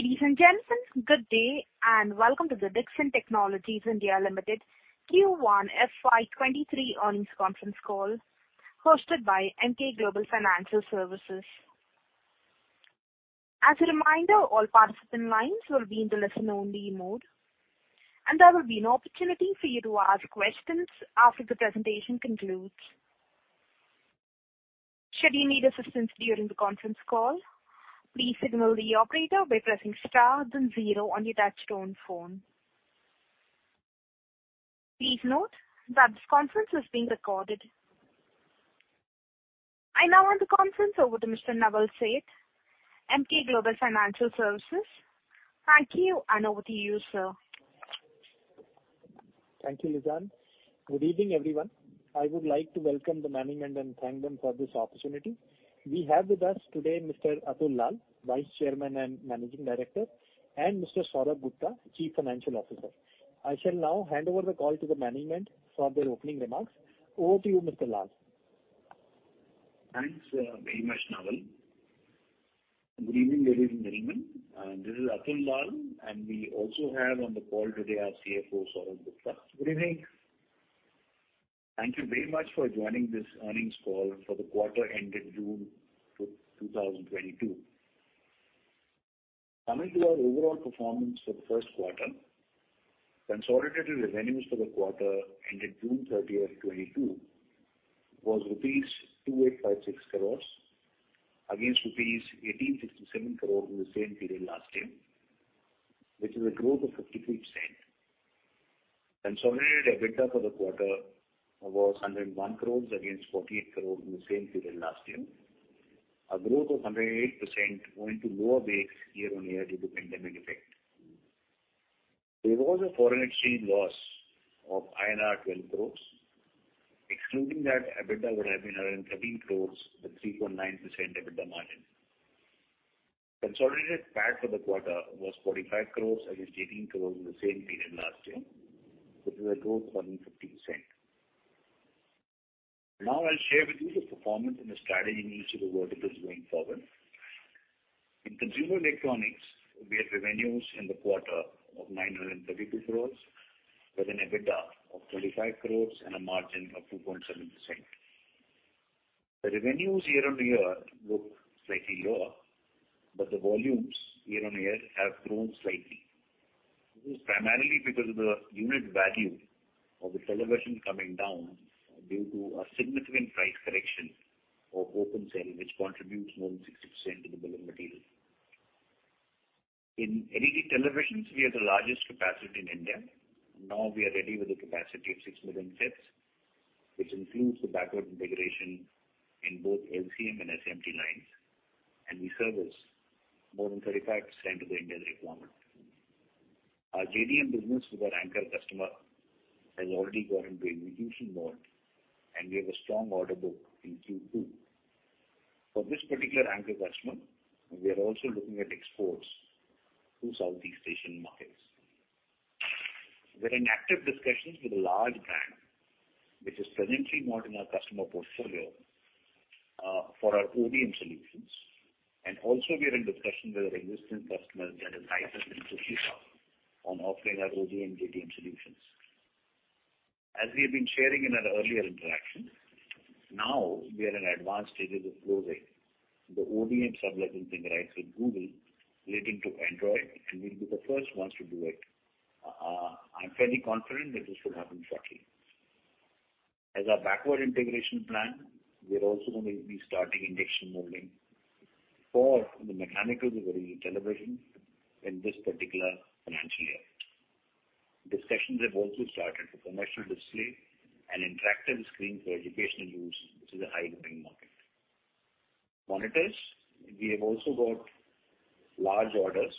Ladies and gentlemen, good day, and welcome to the Dixon Technologies (India) Limited Q1 FY23 earnings conference call hosted by Emkay Global Financial Services. As a reminder, all participant lines will be in the listen only mode, and there will be an opportunity for you to ask questions after the presentation concludes. Should you need assistance during the conference call, please signal the operator by pressing star then zero on your touchtone phone. Please note that this conference is being recorded. I now hand the conference over to Mr. Naval Seth, Emkay Global Financial Services. Thank you, and over to you, sir. Thank you, Lizanne. Good evening, everyone. I would like to welcome the management and thank them for this opportunity. We have with us today Mr. Atul Lall, Vice Chairman and Managing Director, and Mr. Saurabh Gupta, Chief Financial Officer. I shall now hand over the call to the management for their opening remarks. Over to you, Mr. Lall. Thanks, very much, Naval. Good evening, ladies and gentlemen. This is Atul Lall, and we also have on the call today our CFO, Saurabh Gupta. Good evening. Thank you very much for joining this earnings call for the quarter ending June 2022. Coming to our overall performance for the first quarter, consolidated revenues for the quarter ending June 30th, 2022 was rupees 2,856 crores against rupees 1,867 crores in the same period last year, which is a growth of 53%. Consolidated EBITDA for the quarter was 101 crores against 48 crores in the same period last year. A growth of 108% owing to lower base year-on-year due to pandemic effect. There was a foreign exchange loss of INR 12 crores. Excluding that, EBITDA would have been around 13 crores with 3.9% EBITDA margin. Consolidated PAT for the quarter was 45 crores against 18 crores in the same period last year, which is a growth of 150%. Now I'll share with you the performance and the strategy in each of the verticals going forward. In consumer electronics, we had revenues in the quarter of 932 crore with an EBITDA of 25 crore and a margin of 2.7%. The revenues year-on-year look slightly lower, but the volumes year-on-year have grown slightly. This is primarily because of the unit value of the television coming down due to a significant price correction of open cell, which contributes more than 60% to the bill of material. In LED televisions, we are the largest capacity in India. Now we are ready with a capacity of 6 million sets, which includes the backward integration in both LCM and SMT lines, and we service more than 35% of the Indian requirement. Our JDM business with our anchor customer has already got into a revision mode, and we have a strong order book in Q2. For this particular anchor customer, we are also looking at exports to Southeast Asian markets. We're in active discussions with a large brand which is presently not in our customer portfolio, for our ODM solutions. We are also in discussions with our existing customers that are licensed by Toshiba on offering our ODM/JDM solutions. As we have been sharing in our earlier interactions, now we are in advanced stages of closing the ODM sub-licensing rights with Google relating to Android, and we'll be the first ones to do it. I'm fairly confident that this will happen shortly. As our backward integration plan, we're also gonna be starting injection molding for the mechanicals for the LED television in this particular financial year. Discussions have also started for commercial display and interactive screen for educational use, which is a high growing market. Monitors, we have also got large orders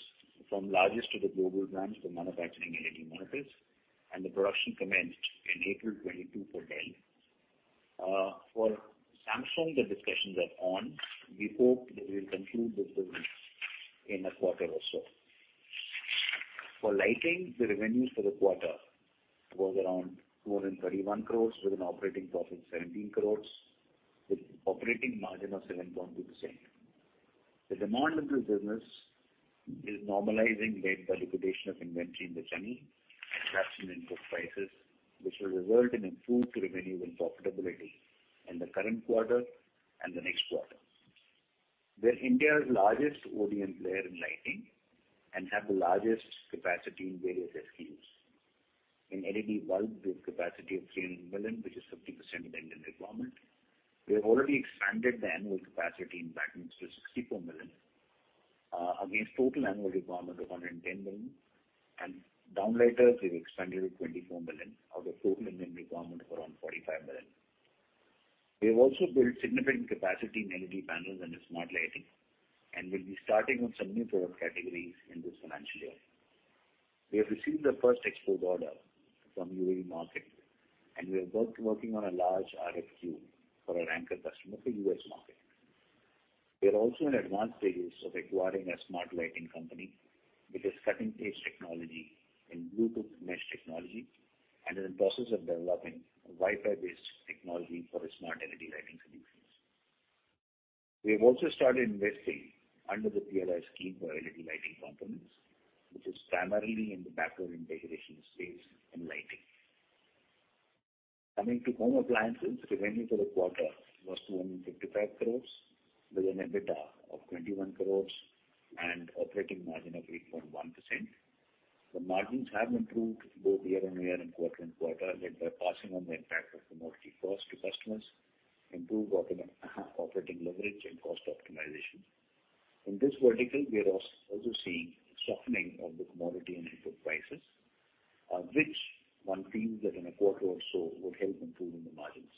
from largest of the global brands for manufacturing LED monitors, and the production commenced in April 2022 for Dell. For Samsung, the discussions are on. We hope that we'll conclude this business in a quarter or so. For lighting, the revenues for the quarter was around 231 crores with an operating profit 17 crores with operating margin of 7.2%. The demand in this business is normalizing led by liquidation of inventory in the channel and reduction in input prices, which will result in improved revenue and profitability in the current quarter and the next quarter. We're India's largest ODM player in lighting and have the largest capacity in various SKUs. In LED bulb, we have capacity of 300 million, which is 50% of the Indian requirement. We have already expanded the annual capacity in back ends to 64 million against total annual requirement of 110 million. Down lighters, we've expanded to 24 million out of total Indian requirement of around 45 million. We have also built significant capacity in LED panels under smart lighting and will be starting on some new product categories in this financial year. We have received the first export order from UAE market, and we are both working on a large RFQ for our anchor customer for US market. We are also in advanced stages of acquiring a smart lighting company with a cutting-edge technology in Bluetooth Mesh technology and are in process of developing Wi-Fi based technology for a smart LED lighting solution. We have also started investing under the PLI scheme for LED lighting components, which is primarily in the backward integration space in lighting. Coming to home appliances, revenue for the quarter was 255 crores with an EBITDA of 21 crores and operating margin of 8.1%. The margins have improved both year-on-year and quarter-on-quarter, led by passing on the impact of commodity costs to customers, improved operating leverage and cost optimization. In this vertical, we are also seeing softening of the commodity and input prices, which one feels that in a quarter or so would help improve in the margins.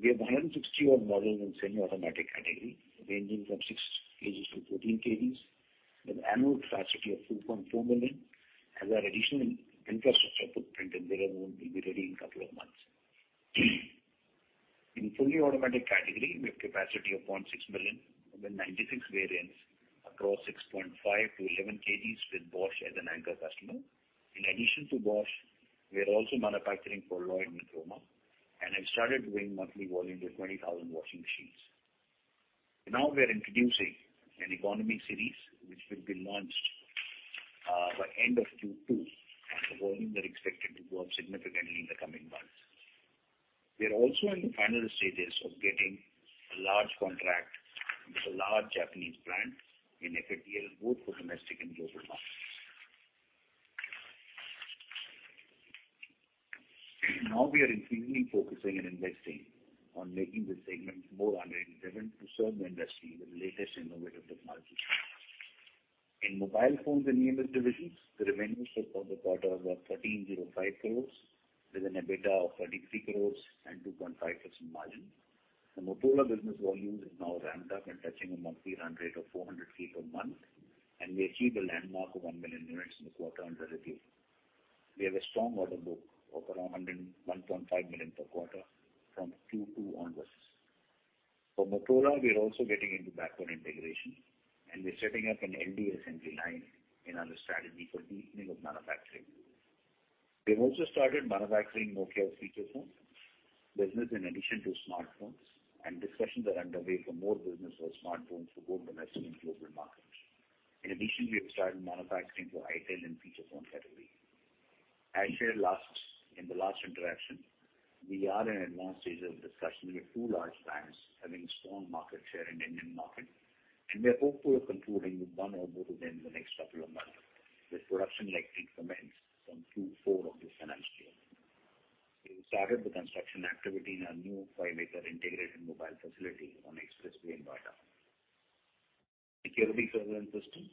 We have 160-odd models in semi-automatic category, ranging from 6 kgs to 14 kgs, with annual capacity of 2.4 million, and we have additional infrastructure footprint in Dehradun that will be ready in a couple of months. In fully automatic category, we have capacity of 0.6 million with 96 variants across 6.5-11 kgs with Bosch as an anchor customer. In addition to Bosch, we are also manufacturing for Lloyd and Croma, and have started doing monthly volume of 20,000 washing machines. Now we are introducing an economy series, which will be launched by end of Q2, and the volumes are expected to grow up significantly in the coming months. We are also in the final stages of getting a large contract with a large Japanese brand in FY24, both for domestic and global markets. Now we are increasingly focusing and investing on making this segment more underpenetrated to serve the industry with latest innovative technology. In mobile phones and EMS divisions, the revenues for the quarter were 1,305 crores with an EBITDA of 33 crores and 2.5% margin. The Motorola business volume is now ramped up and touching a monthly run rate of 400K per month, and we achieved the landmark of 1 million units in the quarter under our belt. We have a strong order book of around 1.5 million per quarter from Q2 onwards. For Motorola, we are also getting into backward integration, and we're setting up an LCD assembly line in our strategy for deepening of manufacturing. We have also started manufacturing Nokia feature phone business in addition to smartphones, and discussions are underway for more business for smartphones for both domestic and global markets. In addition, we have started manufacturing for itel in feature phone category. As shared in the last interaction, we are in advanced stage of discussion with two large brands having strong market share in Indian market, and we are hopeful of concluding with one or both of them in the next couple of months, with production likely to commence from Q4 of this financial year. We've started the construction activity in our new five acre integrated mobile facility on Expressway in Noida. Security surveillance system,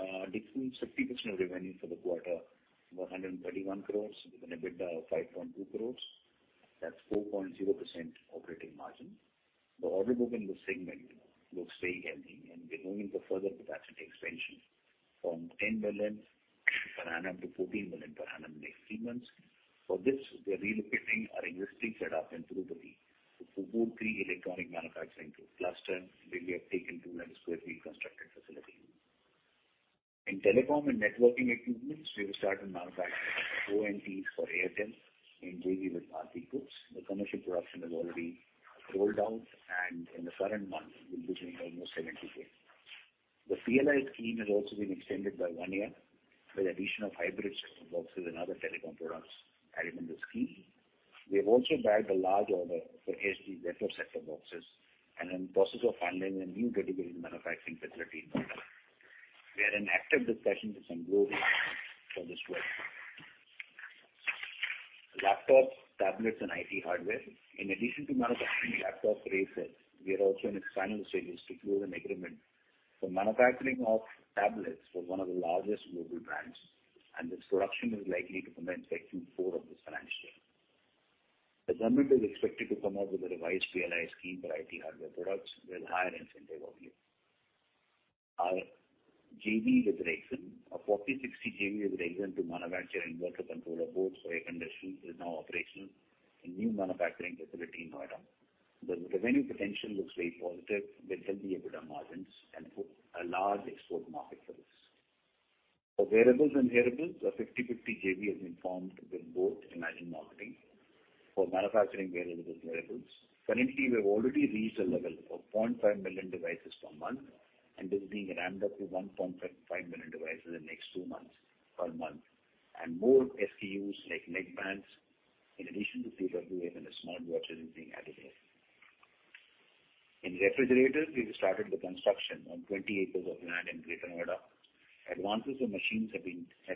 60% of revenue for the quarter, 131 crores with an EBITDA of 5.2 crores. That's 4.0% operating margin. The order book in this segment looks very healthy, and we're going for further capacity expansion from 10 million per annum to 14 million per annum in next three months. For this, we are relocating our existing setup in Gurugram to Panchgaon Electronic Manufacturing Cluster, where we have taken 200 sq ft constructed facility. In telecom and networking equipments, we have started manufacturing ONTs for Airtel in JV with Bharti Enterprises. The commercial production has already rolled out, and in the current month, we're producing almost 70,000. The PLI scheme has also been extended by one year with addition of hybrid set-top boxes and other telecom products added in the scheme. We have also bagged a large order for HP network set-top boxes and are in the process of finalizing a new category of manufacturing facility in Noida. We are in active discussions with some global clients for this work. Laptops, tablets and IT hardware. In addition to manufacturing laptops for Acer, we are also in final stages to close an agreement for manufacturing of tablets for one of the largest global brands, and this production is likely to commence by Q4 of this financial year. The government is expected to come out with a revised PLI scheme for IT hardware products with higher incentive offer. Our JV with Rexxam, a 40-60 JV with Rexxam to manufacture inverter controller boards for air conditioning is now operational in new manufacturing facility in Noida. The revenue potential looks very positive with healthy EBITDA margins and for a large export market for this. For wearables and hearables, a 50-50 JV has been formed with both Imagine Marketing for manufacturing wearables and hearables. Currently, we have already reached a level of 0.5 million devices per month, and this is being ramped up to 1.5 million devices in the next two months per month. More SKUs like neckbands in addition to TWS and the smartwatches is being added here. In refrigerators, we have started the construction on 20 acres of land in Greater Noida. Advances of machines have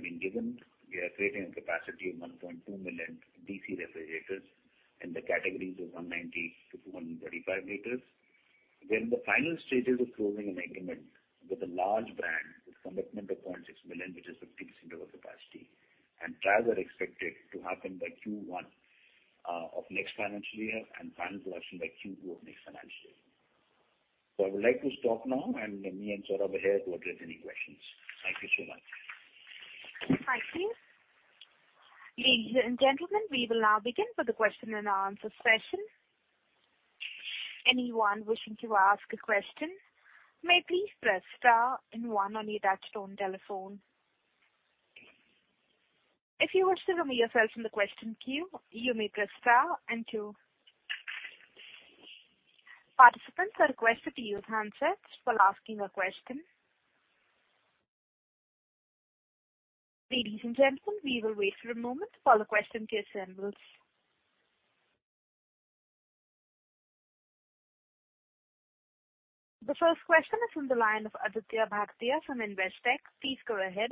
been given. We are creating a capacity of 1.2 million DC refrigerators in the categories of 190-235 liters. We're in the final stages of closing an agreement with a large brand with commitment of 0.6 million, which is 50% of our capacity. Trials are expected to happen by Q1 of next financial year and final production by Q2 of next financial year. I would like to stop now, and me and Saurabh are here to address any questions. Thank you so much. Thank you. Ladies and gentlemen, we will now begin with the question and answer session. Anyone wishing to ask a question may please press star and one on your touchtone telephone. If you wish to remove yourself from the question queue, you may press star and two. Participants are requested to use handsets while asking a question. Ladies and gentlemen, we will wait for a moment while the question queue assembles. The first question is from the line of Aditya Bhartia from Investec. Please go ahead.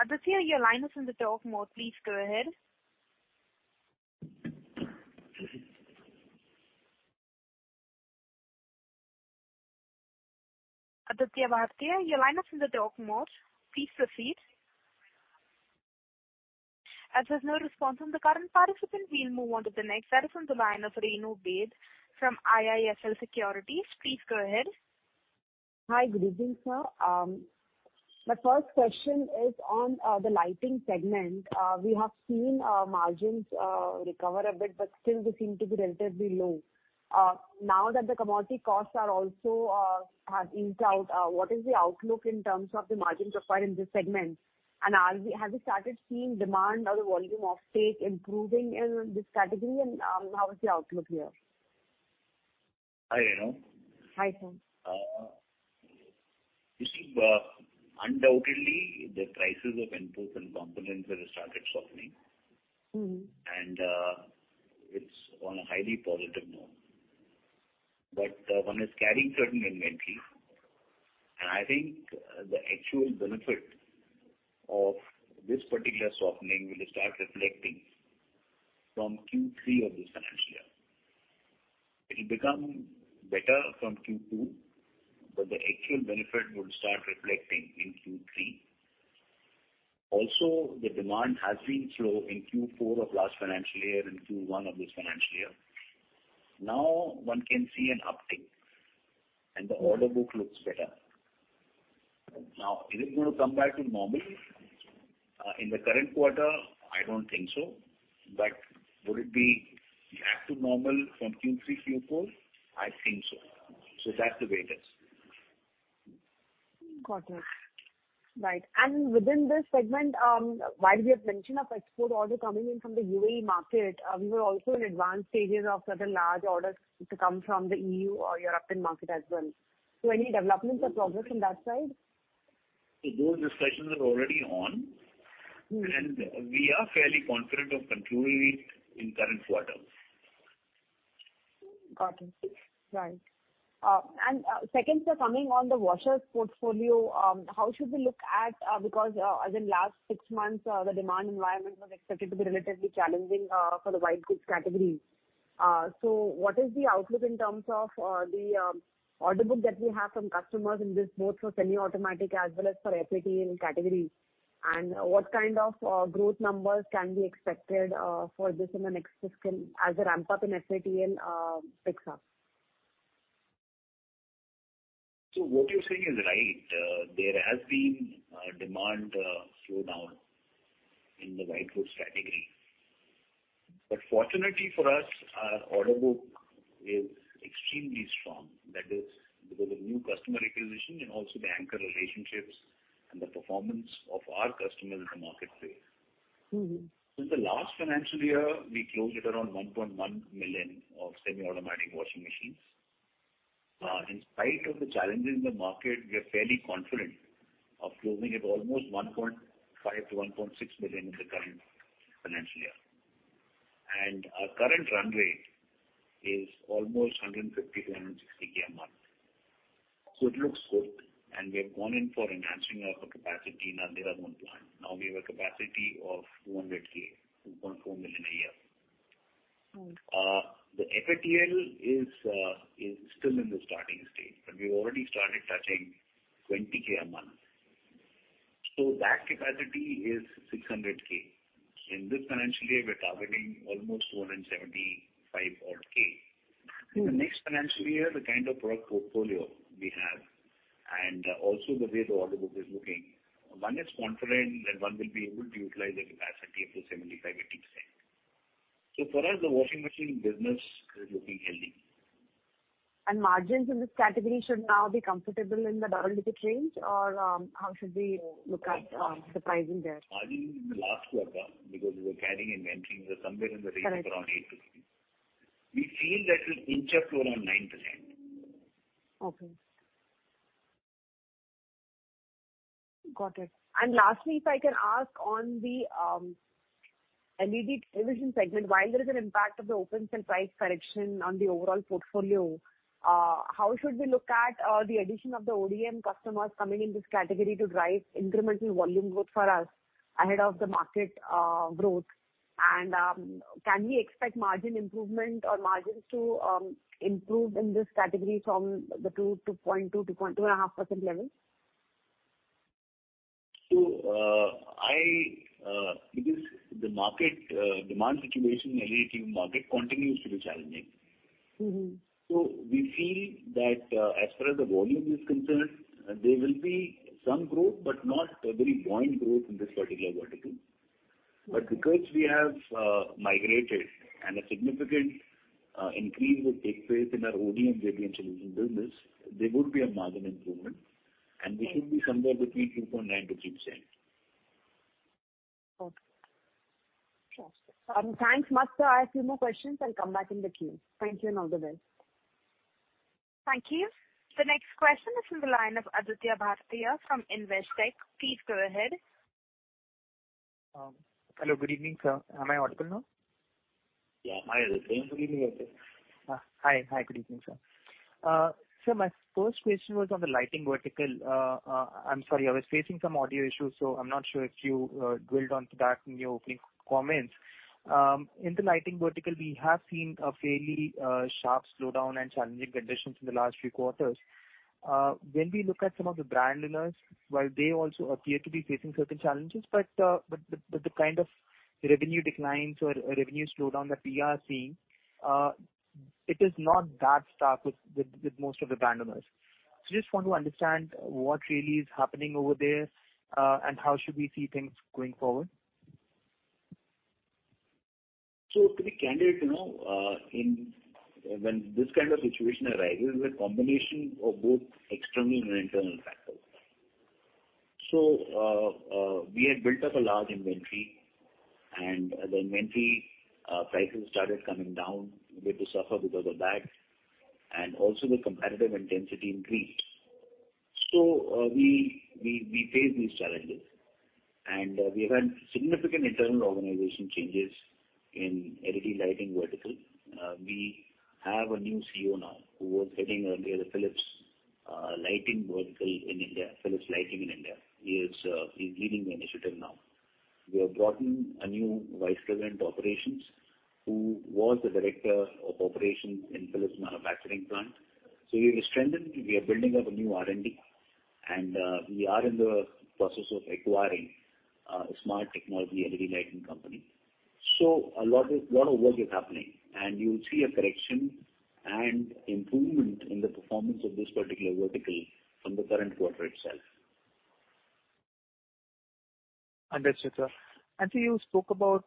Aditya, your line is in the talk mode. Please go ahead. Aditya Bhartia, your line is in the talk mode. Please proceed. As there's no response from the current participant, we'll move on to the next. That is from the line of Renu Baid from IIFL Securities. Please go ahead. Hi. Good evening, sir. My first question is on the lighting segment. We have seen margins recover a bit, but still they seem to be relatively low. Now that the commodity costs are also have eased out, what is the outlook in terms of the margins required in this segment? Have you started seeing demand or the volume offtake improving in this category? How is the outlook here? Hi, Renu. Hi, sir. You see, undoubtedly the prices of inputs and components have started softening. Mm-hmm. It's on a highly positive note. One is carrying certain inventory. I think the actual benefit of this particular softening will start reflecting from Q3 of this financial year. It'll become better from Q2, but the actual benefit would start reflecting in Q3. Also, the demand has been slow in Q4 of last financial year and Q1 of this financial year. Now one can see an uptick, and the order book looks better. Now, is it gonna come back to normal in the current quarter? I don't think so. Would it be back to normal from Q3, Q4? I think so. That's the way it is. Got it. Right. Within this segment, while we have mentioned of export order coming in from the UAE market, we were also in advanced stages of certain large orders to come from the EU or European market as well. Any developments or progress on that side? Those discussions are already on. Mm-hmm. We are fairly confident of concluding it in current quarter. Got it. Right. Second, sir, coming on the washers portfolio, how should we look at because as in last six months the demand environment was expected to be relatively challenging for the white goods category. What is the outlook in terms of the order book that we have from customers in this, both for semi-automatic as well as for FATL category? What kind of growth numbers can be expected for this in the next fiscal as a ramp-up in FATL picks up? What you're saying is right. There has been a demand slowdown in the white goods category. Fortunately for us, our order book is extremely strong. That is because of new customer acquisition and also the anchor relationships and the performance of our customers in the marketplace. Mm-hmm. In the last financial year, we closed at around 1.1 million semi-automatic washing machines. In spite of the challenges in the market, we are fairly confident of closing at almost 1.5-1.6 million in the current financial year. Our current run rate is almost 150,000-160,000 a month. It looks good, and we have gone in for enhancing our capacity in our Tirupati plant. Now we have a capacity of 200,000, 2.4 million a year. Mm-hmm. The FATL is still in the starting stage, but we've already started touching 20,000 a month. That capacity is 600,000. In this financial year, we're targeting almost 175,000. Mm-hmm. In the next financial year, the kind of product portfolio we have and also the way the order book is looking, one is confident that one will be able to utilize the capacity up to 75%-80%. For us, the washing machine business is looking healthy. Margins in this category should now be comfortable in the double-digit range or how should we look at the pricing there? Margins in the last quarter, because we were carrying inventory, were somewhere in the range of around 8%-10%. Correct. We feel that will inch up to around 9-10. Okay. Got it. Lastly, if I can ask on the LED division segment, while there is an impact of the open cell price correction on the overall portfolio, how should we look at the addition of the ODM customers coming in this category to drive incremental volume growth for us ahead of the market growth? Can we expect margin improvement or margins to improve in this category from the 2.2%-2.5% level? Because the market demand situation in LED market continues to be challenging. Mm-hmm. We feel that, as far as the volume is concerned, there will be some growth but not a very buoyant growth in this particular vertical. Because we have migrated and a significant increase will take place in our ODM and JDM solution business, there would be a margin improvement, and we should be somewhere between 2.9%-3%. Okay. Trust. Thanks, sir. I have a few more questions. I'll come back in the queue. Thanks, and all the best. Thank you. The next question is from the line of Aditya Bhartia from Investec. Please go ahead. Hello, good evening, sir. Am I audible now? Yeah. Hi. Good evening, Aditya. Hi. Hi. Good evening, sir. Sir, my first question was on the lighting vertical. I'm sorry, I was facing some audio issues, so I'm not sure if you drilled onto that in your opening comments. In the lighting vertical, we have seen a fairly sharp slowdown and challenging conditions in the last few quarters. When we look at some of the brand winners, while they also appear to be facing certain challenges, but the kind of revenue declines or revenue slowdown that we are seeing, it is not that stark with most of the brand owners. Just want to understand what really is happening over there, and how should we see things going forward. To be candid, you know, when this kind of situation arises with combination of both external and internal factors. We had built up a large inventory, and the inventory prices started coming down. We had to suffer because of that, and also the competitive intensity increased. We face these challenges, and we have had significant internal organization changes in LED lighting vertical. We have a new CEO now who was heading earlier the Philips lighting vertical in India, Philips Lighting in India. He is leading the initiative now. We have brought in a new vice president operations who was the director of operations in Philips manufacturing plant. We have strengthened. We are building up a new R&D, and we are in the process of acquiring a smart technology LED lighting company. A lot of work is happening, and you will see a correction and improvement in the performance of this particular vertical from the current quarter itself. Understood, sir. You spoke about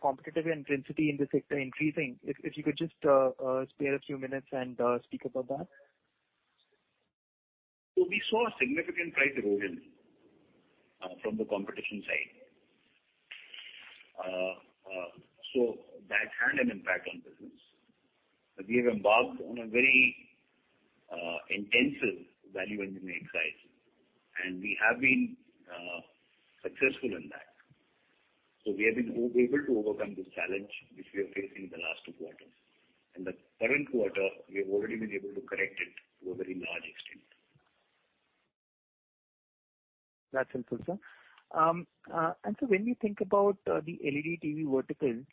competitive intensity in this sector increasing. If you could just spare a few minutes and speak about that. We saw a significant price erosion from the competition side. That had an impact on business. We have embarked on a very intensive value engineering exercise, and we have been successful in that. We have been able to overcome this challenge, which we are facing in the last two quarters. In the current quarter, we have already been able to correct it to a very large extent. That's helpful, sir. When you think about the LED TV vertical,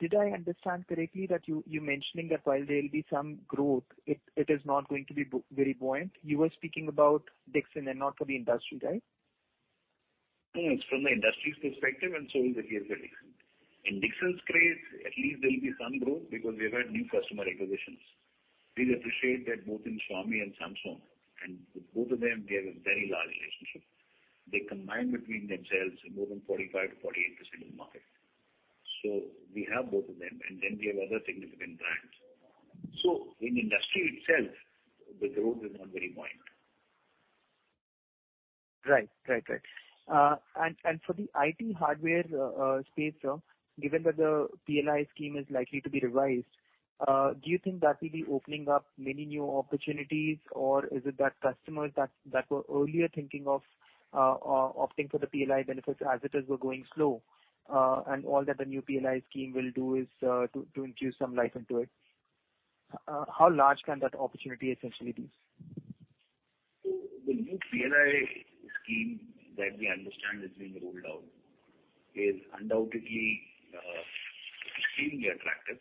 did I understand correctly that you mentioning that while there'll be some growth, it is not going to be very buoyant. You were speaking about Dixon and not for the industry, right? No, it's from the industry's perspective, and so is the case with Dixon. In Dixon's case, at least there'll be some growth because we've had new customer acquisitions. Please appreciate that both in Xiaomi and Samsung, and with both of them we have a very large relationship. They combine between themselves more than 45%-48% of the market. We have both of them, and then we have other significant brands. In industry itself, the growth is not very buoyant. Right, for the IT hardware space, given that the PLI scheme is likely to be revised, do you think that will be opening up many new opportunities, or is it that customers that were earlier thinking of opting for the PLI benefits as it is, were going slow, and all that the new PLI scheme will do is to infuse some life into it? How large can that opportunity essentially be? The new PLI scheme that we understand is being rolled out is undoubtedly extremely attractive,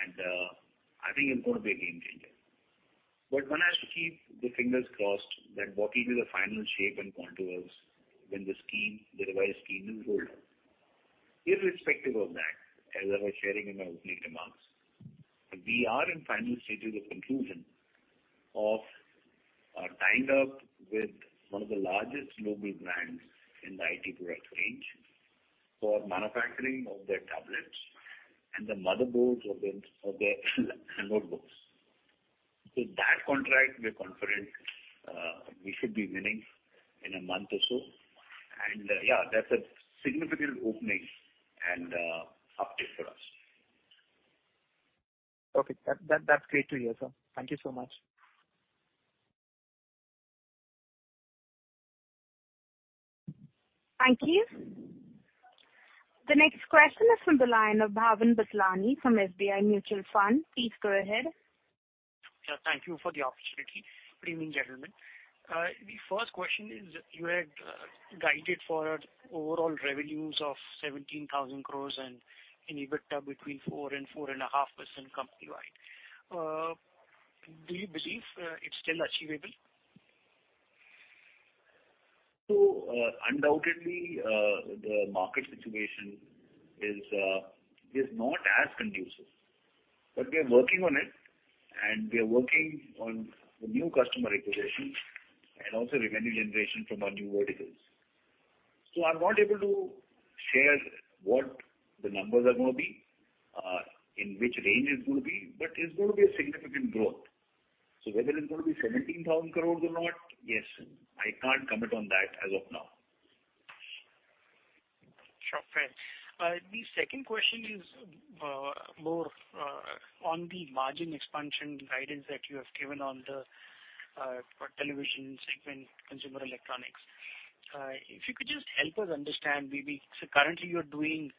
and I think it's going to be a game changer. One has to keep the fingers crossed that what will be the final shape and contours when the scheme, the revised scheme is rolled out. Irrespective of that, as I was sharing in my opening remarks, we are in final stages of conclusion of tied up with one of the largest global brands in the IT product range for manufacturing of their tablets and the motherboards of their notebooks. That contract we're confident we should be winning in a month or so. Yeah, that's a significant opening and uptick for us. Okay. That's great to hear, sir. Thank you so much. Thank you. The next question is from the line of Bhavin Vithlani from SBI Mutual Fund. Please go ahead. Sir, thank you for the opportunity. Good evening, gentlemen. The first question is, you had guided for overall revenues of 17,000 crore and an EBITDA between 4% and 4.5% company-wide. Do you believe it's still achievable? Undoubtedly, the market situation is not as conducive. But we are working on it, and we are working on the new customer acquisitions and also revenue generation from our new verticals. I'm not able to share what the numbers are gonna be, in which range it's gonna be, but it's gonna be a significant growth. Whether it's gonna be 17,000 crore or not, yes, I can't commit on that as of now. Sure. Fair. The second question is more on the margin expansion guidance that you have given for the television segment, consumer electronics. If you could just help us understand maybe. Currently you're doing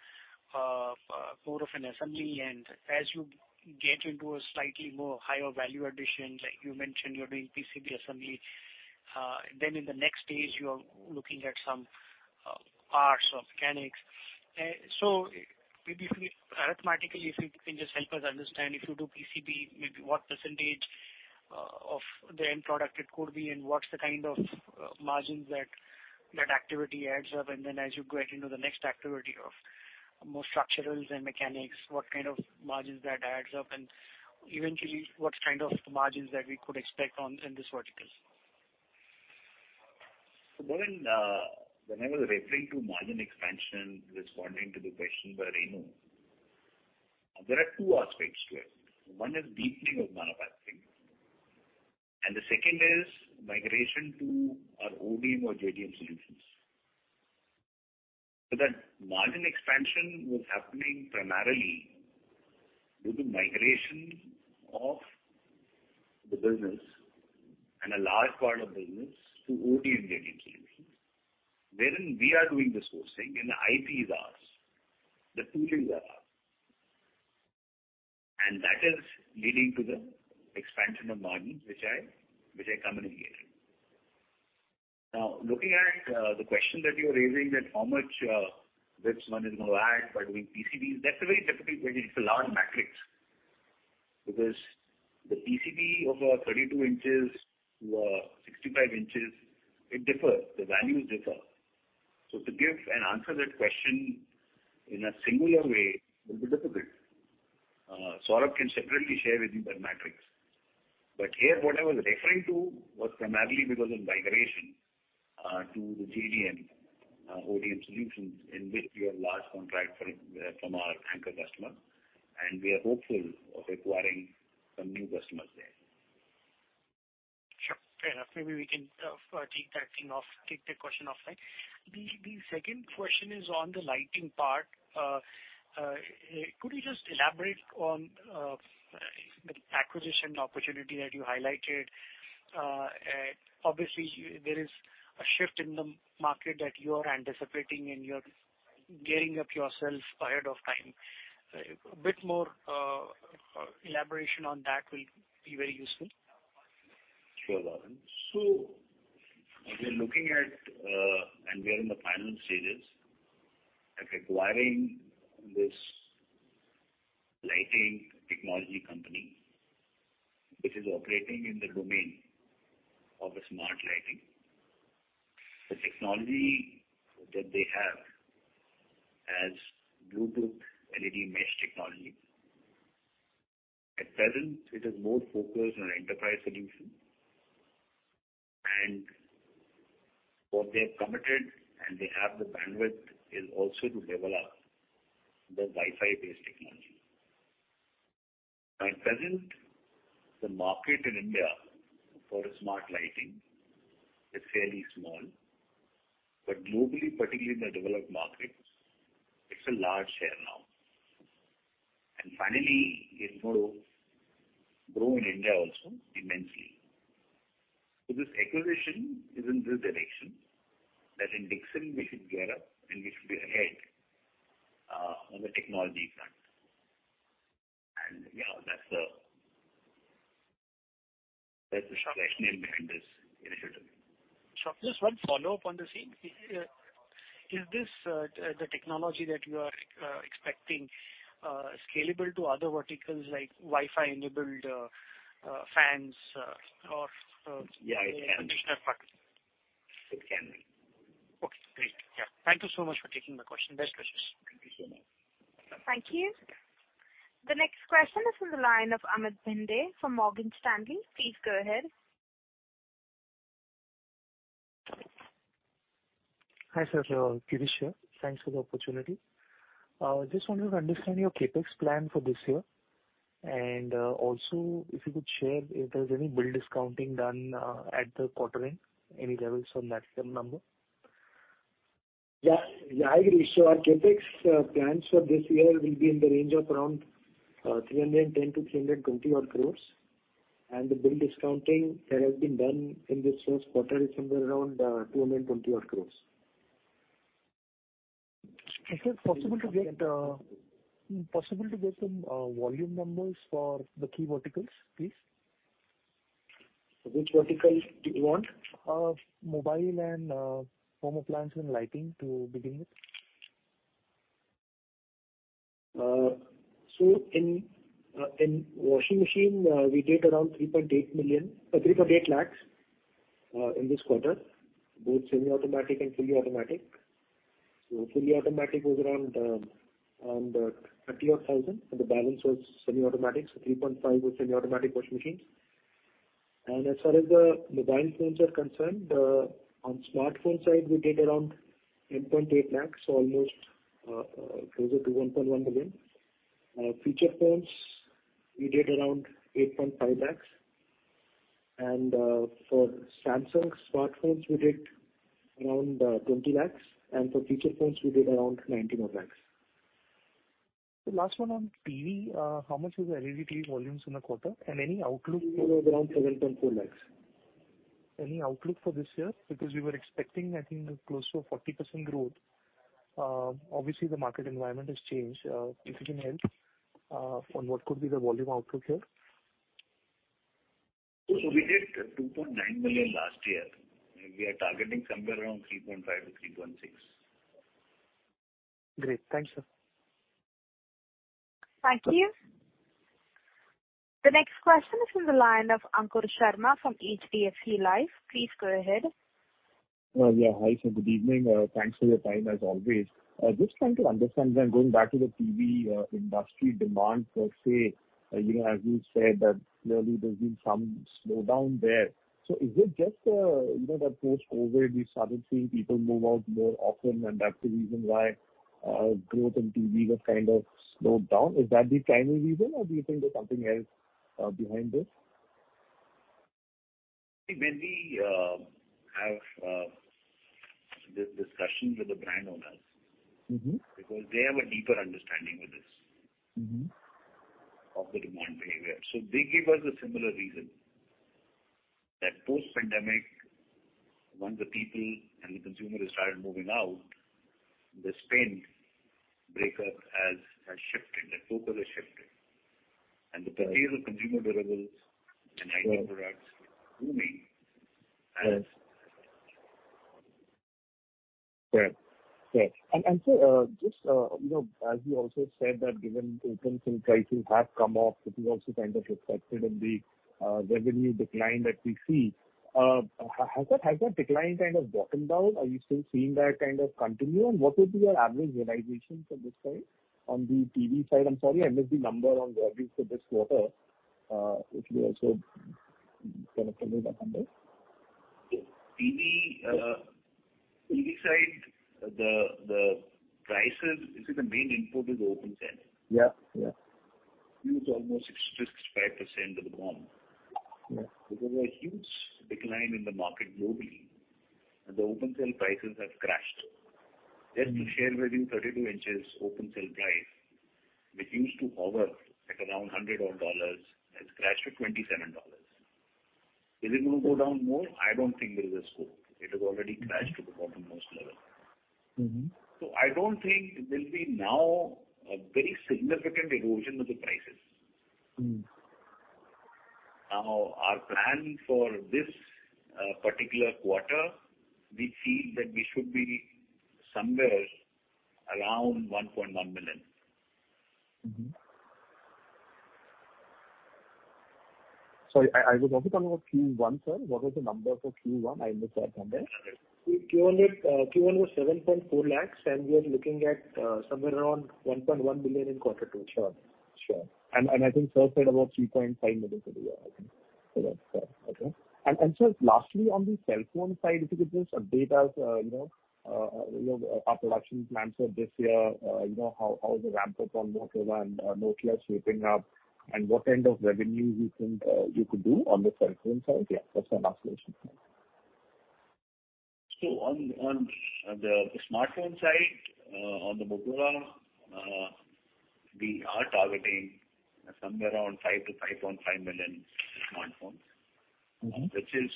more of an assembly and as you get into a slightly more higher value addition, like you mentioned, you're doing PCB assembly, then in the next stage you are looking at some parts of mechanics. Maybe if we arithmetically, if you can just help us understand, if you do PCB, maybe what percentage of the end product it could be and what's the kind of margins that that activity adds up. As you get into the next activity of more structurals and mechanics, what kind of margins that adds up, and eventually, what kind of margins that we could expect on in this verticals. Varun, when I was referring to margin expansion, responding to the question by Renu, there are two aspects to it. One is deepening of manufacturing, and the second is migration to our ODM or JDM solutions. That margin expansion was happening primarily with the migration of the business and a large part of business to ODM and JDM solutions, wherein we are doing the sourcing and the IP is ours, the tooling are ours. That is leading to the expansion of margins which I communicated. Now, looking at the question that you're raising, that how much which one is gonna add by doing PCBs, that's a very difficult question. It's a large matrix. Because the PCB of 32 inches-65 inches, it differs. The values differ. To give an answer to that question in a singular way will be difficult. Saurabh can separately share with you those metrics. Here what I was referring to was primarily because of migration to the JDM, ODM solutions in which we have a large contract from our anchor customer, and we are hopeful of acquiring some new customers there. Sure. Fair enough. Maybe we can take that thing off, take the question offline. The second question is on the lighting part. Could you just elaborate on the acquisition opportunity that you highlighted? Obviously there is a shift in the market that you are anticipating and you're gearing up yourself ahead of time. A bit more elaboration on that will be very useful. Sure, Varun. We're looking at and we are in the final stages of acquiring this lighting technology company which is operating in the domain of a smart lighting. The technology that they have has Bluetooth LED mesh technology. At present it is more focused on enterprise solution. What they have committed, and they have the bandwidth, is also to develop the Wi-Fi based technology. At present, the market in India for a smart lighting is fairly small, but globally, particularly in the developed markets, it's a large share now. Finally it will grow in India also immensely. This acquisition is in this direction, that in Dixon we should gear up and we should be ahead on the technology front. Yeah, that's the rationale behind this initiative. Sure. Just one follow-up on the same. Is this the technology that you are expecting scalable to other verticals like Wi-Fi enabled fans or? Yeah, it can. It can be. Okay, great. Yeah. Thank you so much for taking my question. Best wishes. Thank you so much. Thank you. The next question is from the line of Amit Bhinde from Morgan Stanley. Please go ahead. Hi, sir. Girish here. Thanks for the opportunity. Just wanted to understand your CapEx plan for this year. Also if you could share if there's any bill discounting done at the quarter end, any levels on that number. Our CapEx plans for this year will be in the range of around 310 crores-320 odd crores. The bill discounting that has been done in this first quarter is somewhere around 220 odd crores. Is it possible to get some volume numbers for the key verticals, please? Which verticals do you want? Mobile and home appliance and lighting to begin with. In washing machine, we did around 3.8 lakhs in this quarter, both semi-automatic and fully automatic. Fully automatic was around 30-odd thousand and the balance was semi-automatic. 3.5 were semi-automatic washing machines. As far as the mobile phones are concerned, on smartphone side, we did around 8.8 lakhs, so almost closer to 1.1 million. Feature phones we did around 8.5 lakhs. For Samsung smartphones, we did around 20 lakhs, and for feature phones we did around 19-odd lakhs. The last one on TV. How much was the LED TV volumes in the quarter? Any outlook for- It was around 7.4 lakhs. Any outlook for this year? Because we were expecting, I think, close to 40% growth. Obviously the market environment has changed. If you can help, on what could be the volume outlook here? We did 2.9 million last year, and we are targeting somewhere around 3.5-3.6 million. Great. Thanks, sir. Thank you. The next question is in the line of Ankur Sharma from HDFC Life. Please go ahead. Yeah. Hi, sir. Good evening. Thanks for your time as always. Just trying to understand, then going back to the TV industry demand per se. You know, as you said that clearly there's been some slowdown there. Is it just, you know, that post-COVID we started seeing people move out more often, and that's the reason why growth in TV has kind of slowed down? Is that the primary reason or do you think there's something else behind this? When we have the discussions with the brand owners. Mm-hmm. Because they have a deeper understanding of this. Mm-hmm. of the demand behavior. They give us a similar reason that post-pandemic, once the people and the consumer started moving out, the spend breakup has shifted. The focus has shifted. The purchase of consumer durables and IT products booming has Sure. Sir, just, you know, as you also said that given open cell prices have come off it is also kind of reflected in the revenue decline that we see. Has that decline kind of bottomed out? Are you still seeing that kind of continue? What would be your average realization from this side, on the TV side? I'm sorry, I missed the number on revenues for this quarter, if you also kind of throw that number. TV side, the prices, you see the main input is open cell. Yeah. Yeah. It's almost 6%-65% of the BOM. Yeah. There was a huge decline in the market globally, and the open cell prices have crashed. Just to share with you 32-inch open cell price, which used to hover at around $100-odd, has crashed to $27. Is it gonna go down more? I don't think there is a scope. It has already crashed to the bottom most level. Mm-hmm. I don't think there'll be now a very significant erosion of the prices. Mm. Now, our plan for this particular quarter, we feel that we should be somewhere around 1.1 million. Mm-hmm. Sorry, I was also talking about Q1, sir. What was the number for Q1? I missed that number. Q1 was 7.4 lakhs, and we are looking at somewhere around 1.1 million in quarter two. Sure. I think sir said about 3.5 million for the year, I think. Is that fair? Okay. Sir, lastly, on the cell phone side, if you could just update us, you know, you know, our production plans for this year. You know, how is the ramp up on Motorola and Nokia shaping up and what kind of revenue you think you could do on the cell phone side? Yeah, that's my last question. On the smartphone side, on the Motorola, we are targeting somewhere around 5-5.5 million smartphones. Mm-hmm. Which is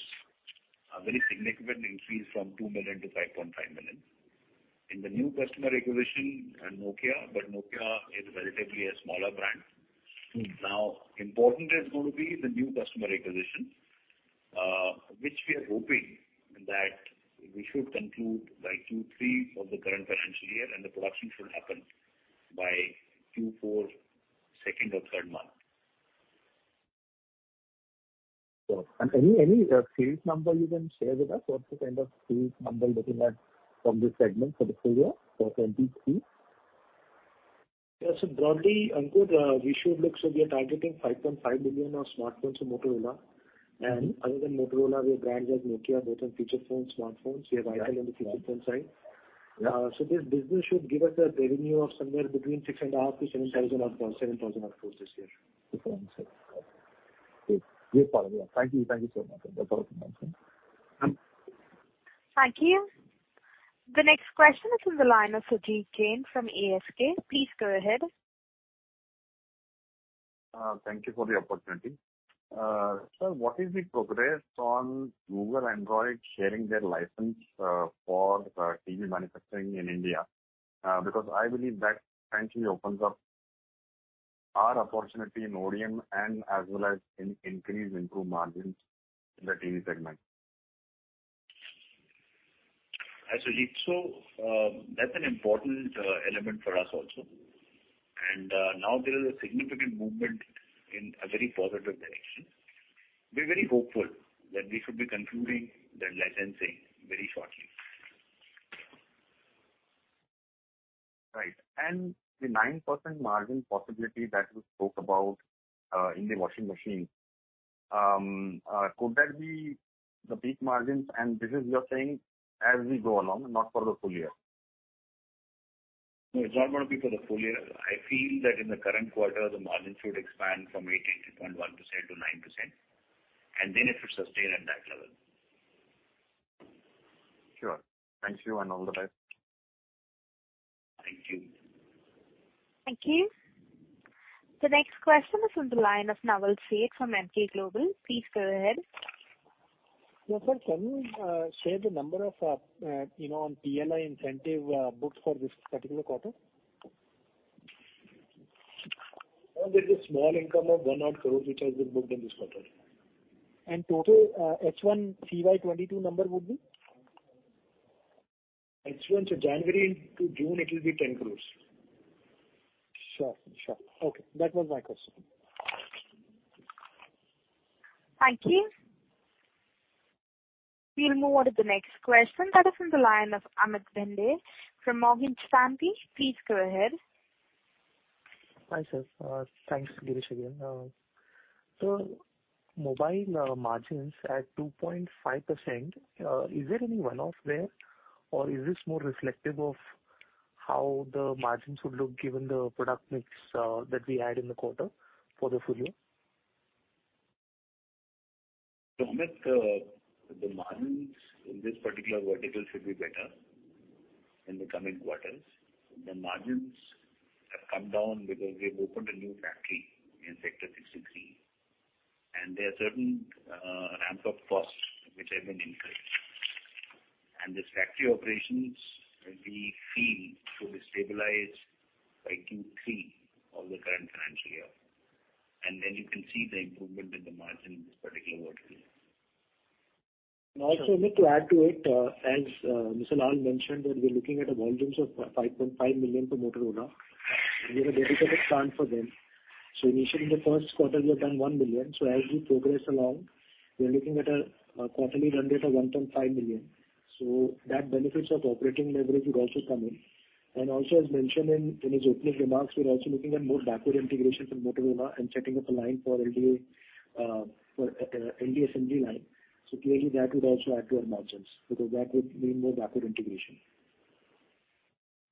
a very significant increase from 2 million-5.5 million. In the new customer acquisition and Nokia, but Nokia is relatively a smaller brand. Mm. Now, important is going to be the new customer acquisition, which we are hoping that we should conclude by Q3 of the current financial year and the production should happen by Q4, second or third month. Sure. Any sales number you can share with us? What's the kind of sales number looking at from this segment for this full year, for 2023? Broadly, Ankur, we are targeting 5.5 million of smartphones for Motorola. Mm-hmm. Other than Motorola, we have brands like Nokia both in feature phones, smartphones. We have itel on the feature phone side. Yeah. This business should give us a revenue of somewhere between 6,500-7,000 odd crores this year. INR 7,000 crore. Great. Great. Follow up. Thank you. Thank you so much. That was all from my end, sir. Thank you. The next question is in the line of Sujit Jain from ASK. Please go ahead. Thank you for the opportunity. Sir, what is the progress on Google Android sharing their license for TV manufacturing in India? Because I believe that frankly opens up our opportunity in ODM and as well as in increasingly improved margins in the TV segment. Hi, Sujit. That's an important element for us also. Now there is a significant movement in a very positive direction. We're very hopeful that we should be concluding the licensing very shortly. Right. The 9% margin possibility that you spoke about in the washing machine could that be the peak margins? This is, you're saying, as we go along, not for the full year. No, it's not gonna be for the full year. I feel that in the current quarter, the margins should expand from 83.1%-9%, and then it should sustain at that level. Sure. Thank you, and all the best. Thank you. Thank you. The next question is on the line of Naval Seth from Emkay Global. Please go ahead. Yeah, sir. Can you share the number of, you know, on PLI incentive booked for this particular quarter? Well, there's a small income of 1 odd crore which has been booked in this quarter. Total H1 FY 2022 number would be? H1, January to June, it will be 10 crores. Sure. Okay. That was my question. Thank you. We'll move on to the next question. That is on the line of Amit Bhinde from Morgan Stanley. Please go ahead. Hi, sir. Thanks, Girish, again. Mobile margins at 2.5%, is there any one-off there, or is this more reflective of how the margins would look given the product mix, that we had in the quarter for the full year? Amit, the margins in this particular vertical should be better in the coming quarters. The margins have come down because we've opened a new factory in sector 63, and there are certain ramp-up costs which have been incurred. This factory operations we feel should be stabilized by Q3 of the current financial year. You can see the improvement in the margin in this particular vertical. Amit, to add to it, as Mr. Lal mentioned that we are looking at volumes of 5.5 million for Motorola. We have a dedicated plant for them. Initially in the first quarter we have done 1 million. As we progress along, we are looking at a quarterly run rate of 1.5 million. That benefits of operating leverage will also come in. As mentioned in his opening remarks, we're also looking at more backward integrations in Motorola and setting up a line for LGA assembly line. Clearly that would also add to our margins because that would mean more backward integration.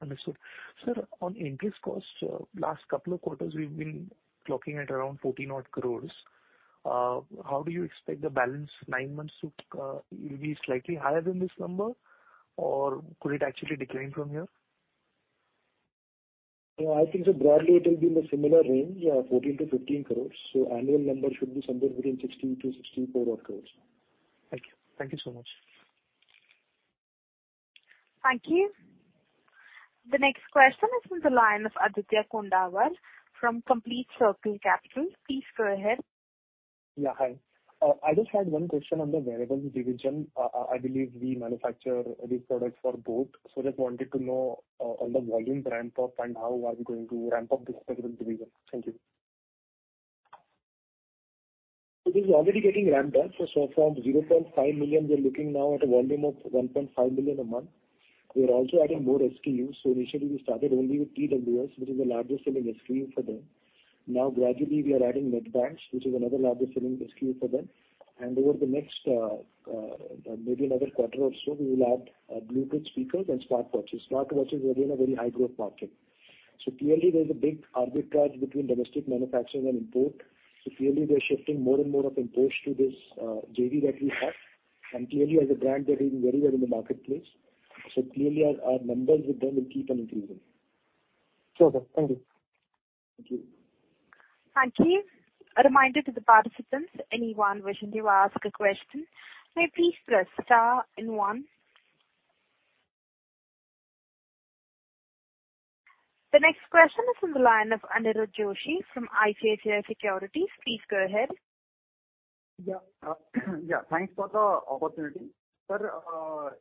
Understood. Sir, on interest costs, last couple of quarters we've been clocking at around 14-odd crores. How do you expect the balance nine months will be slightly higher than this number, or could it actually decline from here? No, I think that broadly it will be in a similar range, yeah, 14-15 crores. Annual number should be somewhere between 60-64 odd crores. Thank you. Thank you so much. Thank you. The next question is from the line of Aditya Kondawar from Complete Circle Capital. Please go ahead. Yeah, hi. I just had one question on the wearables division. I believe we manufacture these products for boAt, so just wanted to know on the volume ramp up and how are we going to ramp up this wearables division? Thank you. This is already getting ramped up. From 0.5 million, we are looking now at a volume of 1.5 million a month. We are also adding more SKUs. Initially we started only with TWS, which is the largest selling SKU for them. Now gradually we are adding neckbands, which is another largest selling SKU for them. Over the next maybe another quarter or so, we will add Bluetooth speakers and smartwatches. Smartwatches are, again, a very high growth market. Clearly there is a big arbitrage between domestic manufacturing and import, so clearly we are shifting more and more of imports to this JV that we have. Clearly as a brand, they're doing very well in the marketplace. Clearly our numbers with them will keep on increasing. Sure, sir. Thank you. Thank you. Thank you. A reminder to the participants, anyone wishing to ask a question, may please press star and one. The next question is on the line of Aniruddha Joshi from ICICI Securities. Please go ahead. Yeah, thanks for the opportunity. Sir,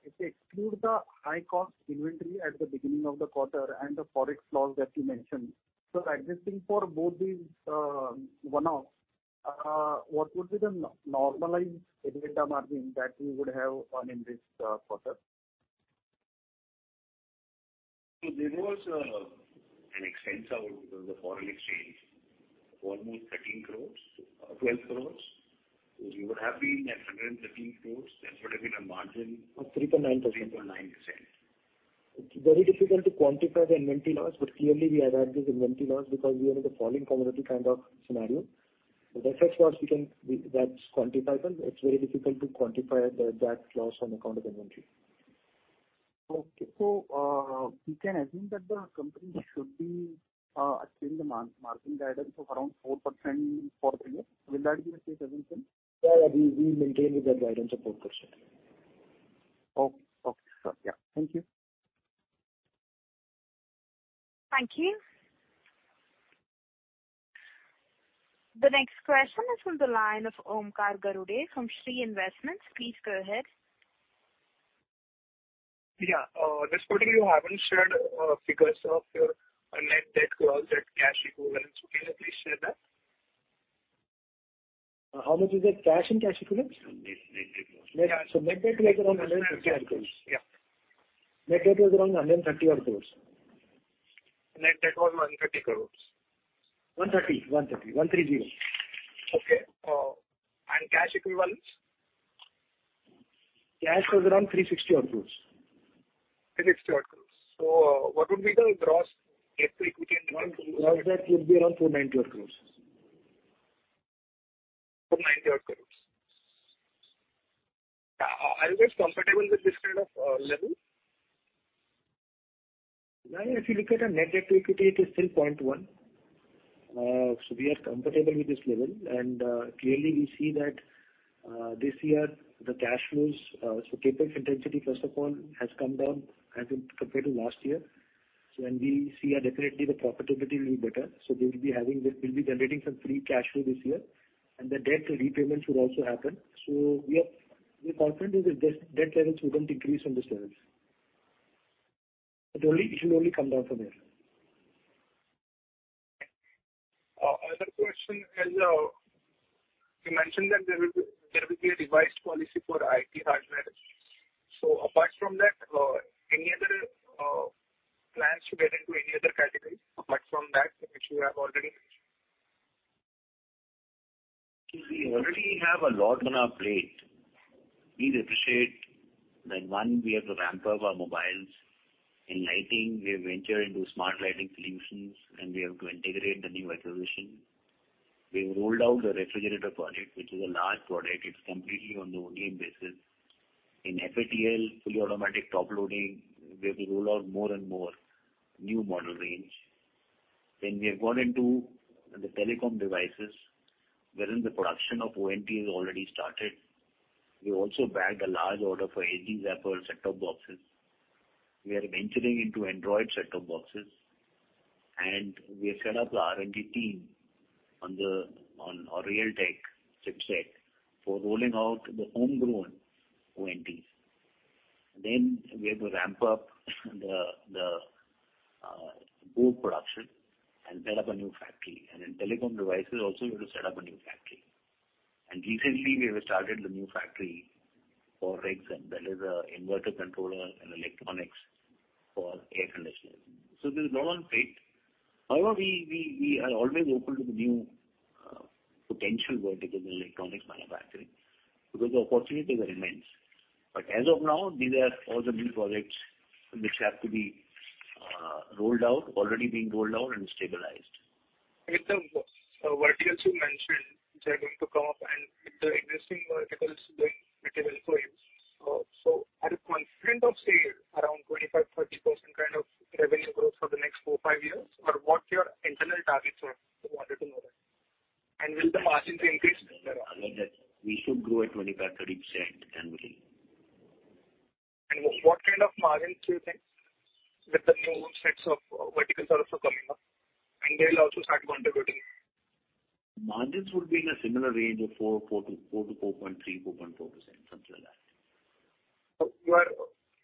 if we exclude the high-cost inventory at the beginning of the quarter and the Forex loss that you mentioned, so adjusting for both these one-off, what would be the normalized EBITDA margin that we would have in this quarter? There was an expense out of the foreign exchange of almost 13 crore, 12 crore. We would have been at 113 crore. That would have been a margin. Of 3.9%. 3.9%. It's very difficult to quantify the inventory loss, but clearly we have had this inventory loss because we are in a falling commodity kind of scenario. The FX loss. That's quantifiable. It's very difficult to quantify that loss on account of inventory. We can assume that the company should be achieving the margin guidance of around 4% for the year. Will that be a safe assumption? Yeah. We maintain the guidance of 4%. Okay. Okay, sir. Yeah. Thank you. Thank you. The next question is from the line of Omkar Garude from Shree Investments. Please go ahead. Yeah. This quarter you haven't shared figures of your net debt to asset cash equivalents. Can you please share that? How much is it, cash and cash equivalents? Yeah. Net debt was around INR 130-odd crore. Yeah. Net debt was around INR 130 odd crores. Net debt was INR 130 crore. INR 130, INR 130. One three zero. Okay. Cash equivalents? Cash was around INR 360 odd crore. INR 360 odd crores. What would be the gross debt to equity and- Gross debt would be around 490 odd crores. 490 odd crores. Are you guys comfortable with this kind of level? No, if you look at our net debt to equity, it is still 0.1. We are comfortable with this level. Clearly we see that this year the cash flows, so capital intensity first of all has come down as in compared to last year. When we see that definitely the profitability will be better, so we'll be generating some free cash flow this year, and the debt repayments should also happen. We are confident that the debt levels wouldn't decrease from this level. It should only come down from here. Other question is, you mentioned that there will be a revised policy for IT hardware. Apart from that, any other plans to get into any other category apart from that which you have already mentioned? We already have a lot on our plate. Please appreciate that, one, we have to ramp up our mobiles. In lighting we have ventured into smart lighting solutions, and we have to integrate the new acquisition. We've rolled out the refrigerator product, which is a large product. It's completely on the OEM basis. In FATL, fully automatic top loading, we have to roll out more and more new model range. We have got into the telecom devices wherein the production of ONT has already started. We also bagged a large order for HD set-top boxes. We are venturing into Android set-top boxes, and we have set up a R&D team on the Realtek chipset for rolling out the homegrown ONTs. We have to ramp up the board production and set up a new factory. In telecom devices also we have to set up a new factory. Recently we have started the new factory for rigs, and that is a inverter controller and electronics for air conditioners. There's a lot on plate. However, we are always open to the new potential verticals in electronics manufacturing because the opportunities are immense. As of now, these are all the new projects which have to be rolled out, already being rolled out and stabilized. With the verticals you mentioned which are going to come up and the existing verticals doing pretty well for you, so are you confident of, say, around 25%-30% kind of revenue growth for the next four, five years? Or what your internal targets are? I wanted to know that. Will the margins increase further? I mean that we should grow at 25%-30% annually. What kind of margins do you think with the new sets of verticals that are also coming up and they'll also start contributing? Margins would be in a similar range of 4 to 4.3-4.4%, something like that. You are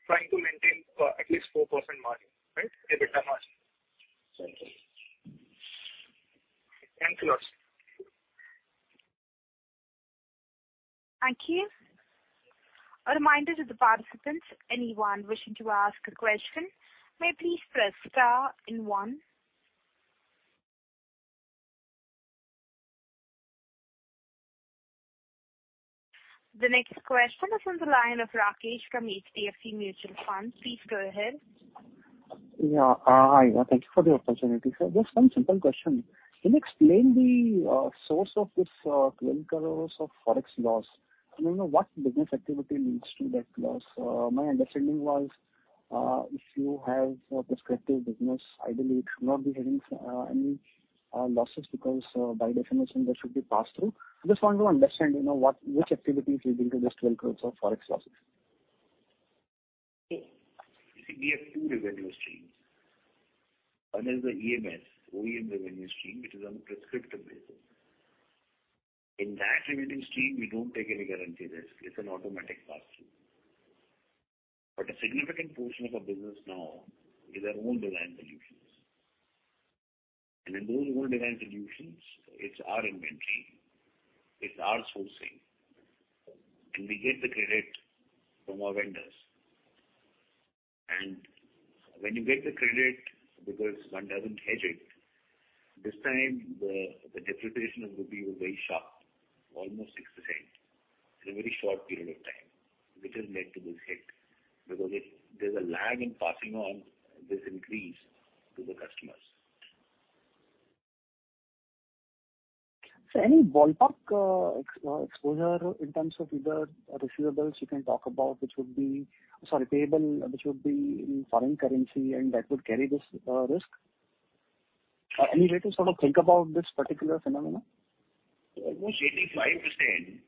trying to maintain at least 4% margin, right? EBITDA margin. Certainly. Thank you. Thank you. A reminder to the participants, anyone wishing to ask a question may please press star and one. The next question is on the line of Rakesh from HDFC Mutual Fund. Please go ahead. Yeah. Hi. Thank you for the opportunity, sir. Just one simple question. Can you explain the source of this 12 crore of Forex loss? I mean, what business activity leads to that loss? My understanding was, if you have a prescriptive business, ideally it should not be having any losses because, by definition, that should be passed through. I just want to understand, you know, which activity is leading to this 12 crore of Forex losses. We have two revenue streams. One is the EMS, OEM revenue stream, which is on conversion basis. In that revenue stream, we don't take any currency risk. It's an automatic pass-through. A significant portion of our business now is our own design solutions. In those own design solutions, it's our inventory, it's our sourcing, and we get the credit from our vendors. When you get the credit because one doesn't hedge it, this time the depreciation of the rupee was very sharp, almost 6% in a very short period of time, which has led to this hit. There's a lag in passing on this increase to the customers. Any ballpark exposure in terms of either receivables you can talk about, which would be. Sorry, payable, which would be in foreign currency and that would carry this risk? Any way to sort of think about this particular phenomenon? Almost 85%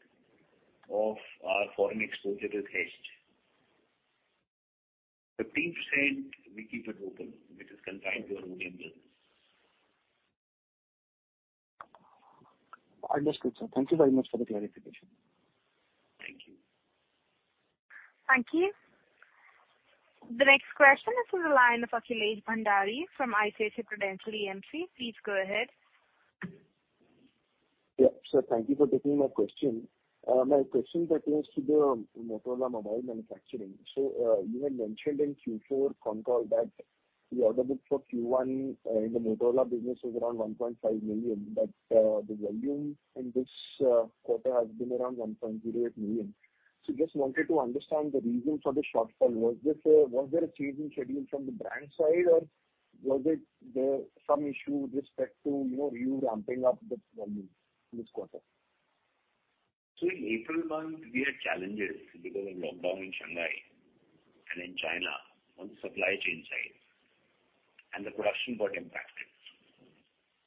of our foreign exposure is hedged. 15% we keep it open, which is compliant. Understood, sir. Thank you very much for the clarification. Thank you. Thank you. The next question is from the line of Akhilesh Bhandari from ICICI Prudential AMC. Please go ahead. Sir, thank you for taking my question. My question pertains to the Motorola mobile manufacturing. You had mentioned in Q4 con call that the order book for Q1 in the Motorola business was around 1.5 million, but the volume in this quarter has been around 1.08 million. Just wanted to understand the reason for the shortfall. Was there a change in schedule from the brand side, or was there some issue with respect to, you know, you ramping up the volumes this quarter? In April month we had challenges because of lockdown in Shanghai and in China on the supply chain side, and the production got impacted.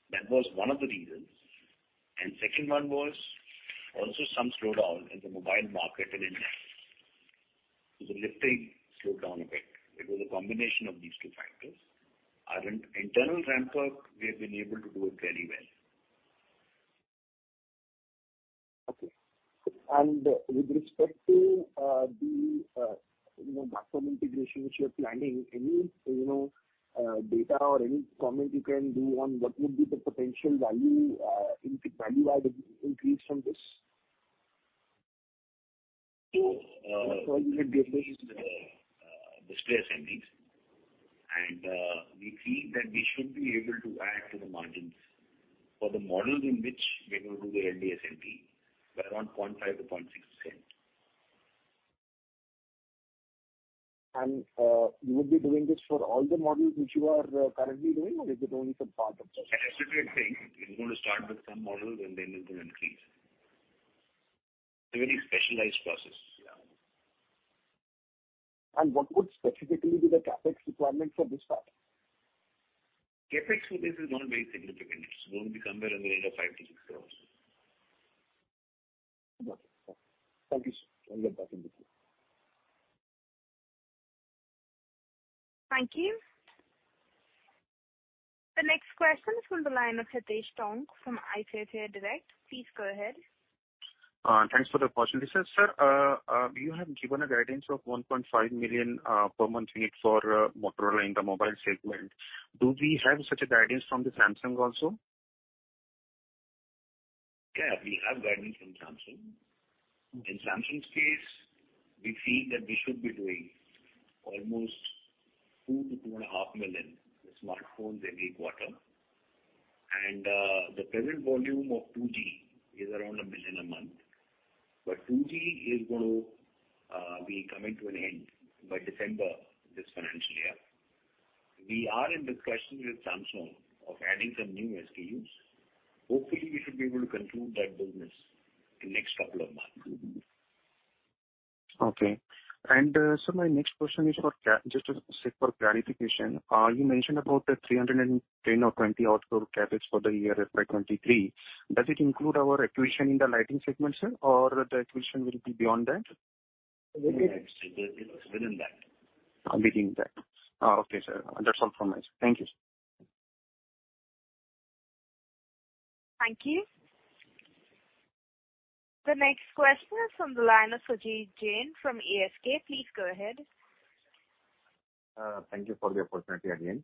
That was one of the reasons. Second one was also some slowdown in the mobile market in India. The lifting slowed down a bit. It was a combination of these two factors. Our internal ramp up, we have been able to do it very well. Okay. With respect to you know backward integration which you're planning, any you know data or any comment you can do on what would be the potential value in value add increase from this? Display assemblies. We feel that we should be able to add to the margins for the models in which we're gonna do the LDSMP by around 0.5%-0.6%. You would be doing this for all the models which you are currently doing or is it only for part of this? I had said we are saying we're gonna start with some models and then we're gonna increase. A very specialized process. Yeah. What would specifically be the CapEx requirement for this part? CapEx for this is not very significant. It's going to be comparable in the range of 5-6 crores. Okay. Thank you, sir. I'll get back in touch with you. Thank you. The next question is from the line of Hitesh Tonk from ICICI Direct. Please go ahead. Thanks for the opportunity, sir. You have given a guidance of 1.5 million units per month for Motorola in the mobile segment. Do we have such a guidance from Samsung also? Yeah, we have guidance from Samsung. In Samsung's case, we feel that we should be doing almost 2-2.5 million smartphones every quarter. The present volume of 2G is around 1 million a month. 2G is going to be coming to an end by December this financial year. We are in discussion with Samsung of adding some new SKUs. Hopefully, we should be able to conclude that business in next couple of months. Okay. Sir, my next question is just, say, for clarification, you mentioned about the 310 or 320 overall CapEx for the year FY 2023. Does it include our acquisition in the lighting segment, sir, or the acquisition will be beyond that? It's within that. Within that. Okay, sir. That's all from my side. Thank you, sir. Thank you. The next question is from the line of Sujit Jain from ASK. Please go ahead. Thank you for the opportunity again.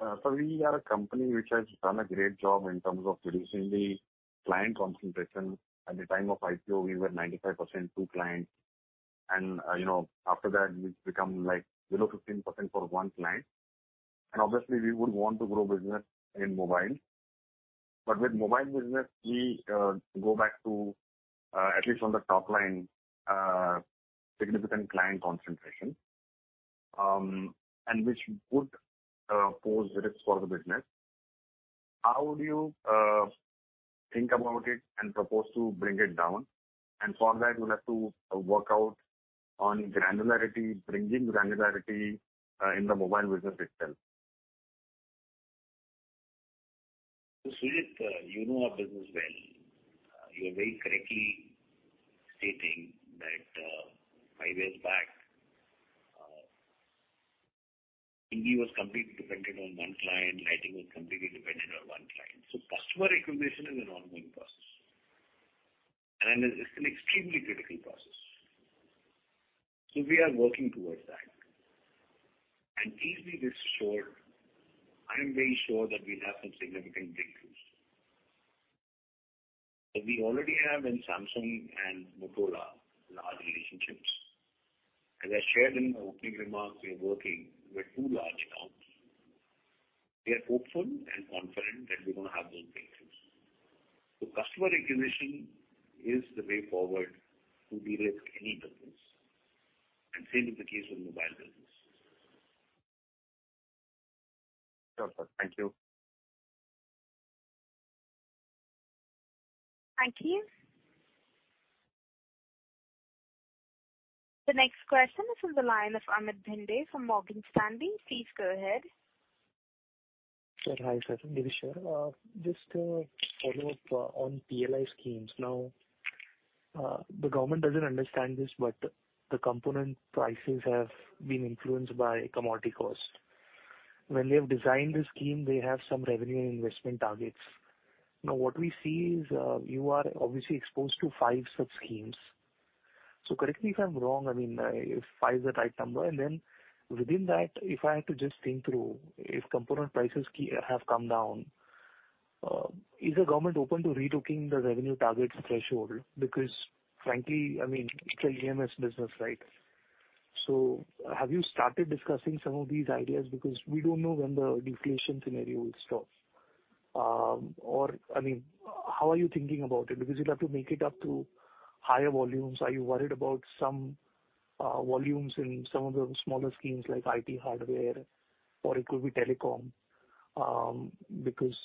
Sir, we are a company which has done a great job in terms of reducing the client concentration. At the time of IPO, we were 95% two clients and, you know, after that we've become, like, below 15% for one client. Obviously we would want to grow business in mobile. But with mobile business we go back to, at least on the top line, significant client concentration, and which would pose risks for the business. How do you think about it and propose to bring it down? For that you'll have to work out on granularity, bringing granularity in the mobile business itself. Sujit, you know our business well. You are very correctly stating that, five years back, Dixon was completely dependent on one client, lighting was completely dependent on one client. Customer acquisition is an ongoing process, and it's an extremely critical process. We are working towards that. Please be rest assured, I am very sure that we'll have some significant breakthroughs. We already have in Samsung and Motorola large relationships. As I shared in my opening remarks, we are working with two large accounts. We are hopeful and confident that we're gonna have those breakthroughs. Customer acquisition is the way forward to de-risk any business, and same is the case with mobile business. Sure, sir. Thank you. Thank you. The next question is from the line of Amit Bhinde from Morgan Stanley. Please go ahead. Sir. Hi, sir. Good evening, sir. Just a follow-up on PLI schemes. Now, the government doesn't understand this, but the component prices have been influenced by commodity cost. When they have designed the scheme, they have some revenue investment targets. Now, what we see is, you are obviously exposed to five such schemes. Correct me if I'm wrong, I mean, if five is the right number, and then within that, if I had to just think through, if component prices have come down, is the government open to relooking the revenue targets threshold? Because frankly, I mean, it's still EMS business, right? Have you started discussing some of these ideas because we don't know when the deflation scenario will stop. I mean, how are you thinking about it? Because you'll have to make it up through higher volumes. Are you worried about some volumes in some of the smaller schemes like IT hardware or it could be telecom? Because,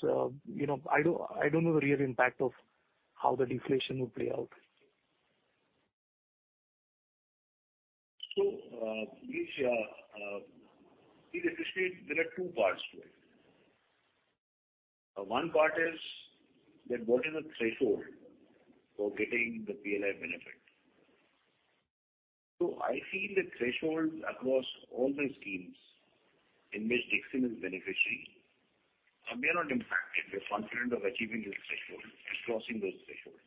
you know, I don't know the real impact of how the deflation will play out. We see essentially, there are two parts to it. One part is that what is the threshold for getting the PLI benefit. I feel the threshold across all the schemes in which Dixon is beneficiary, we are not impacted. We're confident of achieving this threshold and crossing those thresholds.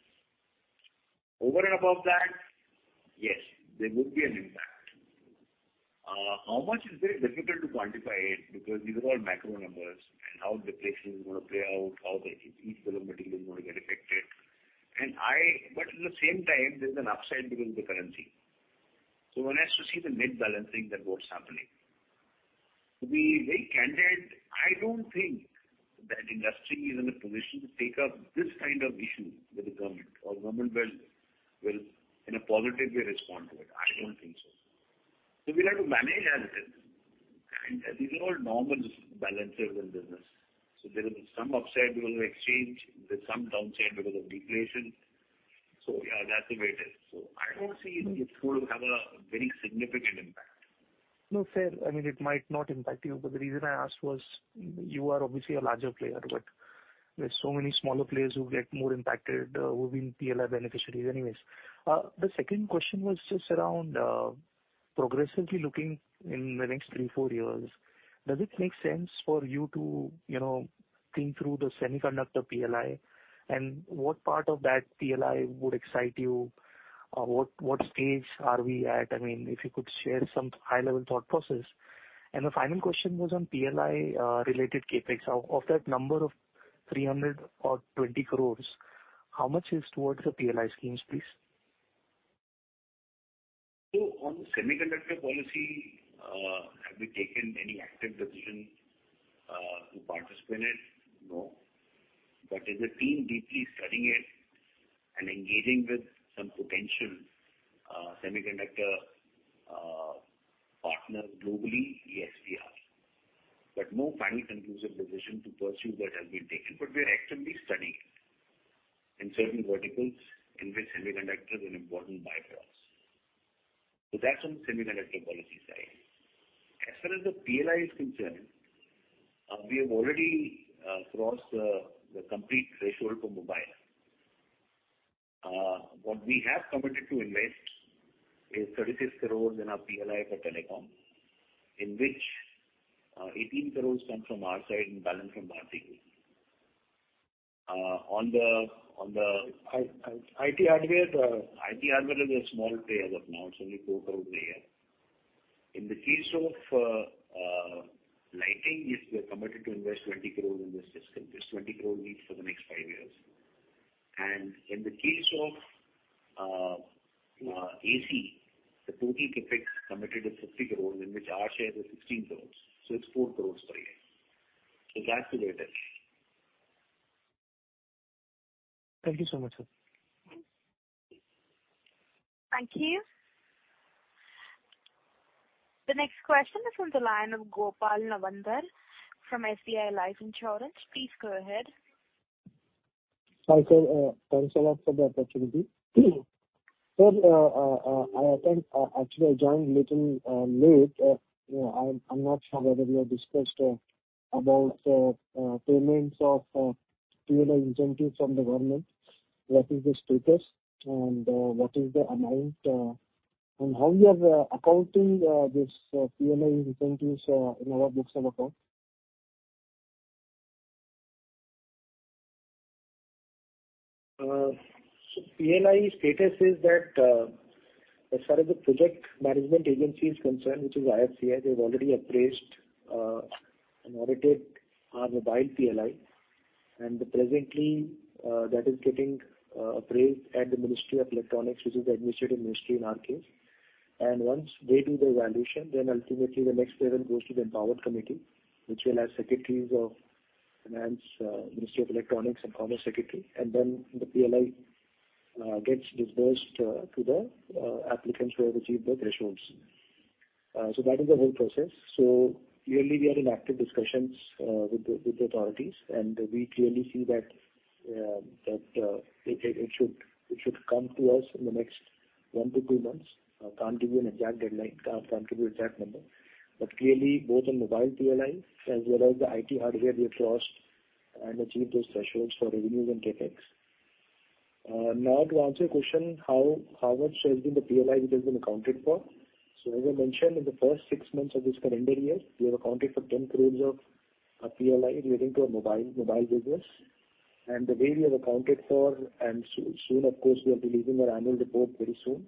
Over and above that, yes, there would be an impact. How much is very difficult to quantify it because these are all macro numbers and how deflation is gonna play out, how each segment is gonna get affected. At the same time, there's an upside because of the currency. One has to see the net balancing that what's happening. To be very candid, I don't think that industry is in a position to take up this kind of issue with the government, or government will in a positive way respond to it. I don't think so. We'll have to manage as it is. These are all normal balances in business. There is some upside because of exchange, there's some downside because of deflation. Yeah, that's the way it is. I don't see it's going to have a very significant impact. No, fair. I mean, it might not impact you, but the reason I asked was you are obviously a larger player, but there's so many smaller players who get more impacted, who've been PLI beneficiaries anyways. The second question was just around, progressively looking in the next three, four years, does it make sense for you to, you know, think through the semiconductor PLI? And what part of that PLI would excite you? What stage are we at? I mean, if you could share some high-level thought process. The final question was on PLI related CapEx. Of that number of 300 crore or 20 crore, how much is towards the PLI schemes, please? On the semiconductor policy, have we taken any active decision to participate in it? No. Is the team deeply studying it and engaging with some potential semiconductor partners globally? Yes, we are. No final conclusive decision to pursue that has been taken, but we are actively studying it in certain verticals in which semiconductors is an important buy for us. That's on the semiconductor policy side. As far as the PLI is concerned, we have already crossed the complete threshold for mobile. What we have committed to invest is 36 crore in our PLI for telecom, in which 18 crore come from our side and balance from Bharti. On the IT hardware. IT hardware is a small play as of now. It's only 4 crore a year. In the case of lighting, yes, we have committed to invest 20 crore in this system. This 20 crore needs for the next five years. In the case of AC, the total CapEx committed is 50 crore, in which our share is 16 crore. It's 4 crore per year. That's the way it is. Thank you so much, sir. Thank you. The next question is on the line of Gopal Nawandhar from SBI Life Insurance. Please go ahead. Hi, sir. Thanks a lot for the opportunity. Sir, I think actually I joined little late. You know, I'm not sure whether you have discussed about payments of PLI incentives from the government. What is the status and what is the amount and how you are accounting this PLI incentives in our books of account? PLI status is that as far as the project management agency is concerned, which is IFCI, they've already appraised and audited our mobile PLI. Presently, that is getting appraised at the Ministry of Electronics and Information Technology, which is the administrative ministry in our case. Once they do the evaluation, ultimately the next payment goes to the empowered committee, which will have secretaries of Finance, Ministry of Electronics and Information Technology and Commerce secretary, and then the PLI gets disbursed to the applicants who have achieved the thresholds. That is the whole process. Clearly we are in active discussions with the authorities, and we clearly see that it should come to us in the next 1-2 months. Can't give you an exact deadline, can't commit exact number. Clearly, both on mobile PLI as well as the IT hardware, we have crossed and achieved those thresholds for revenues and CapEx. Now to answer your question, how much has been the PLI which has been accounted for. As I mentioned, in the first six months of this calendar year, we have accounted for 10 crore of PLI relating to our mobile business. The way we have accounted for and soon, of course, we will be releasing our annual report very soon.